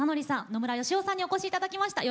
野村義男さんにお越しいただきました。